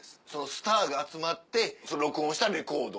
スターが集まって録音したレコード。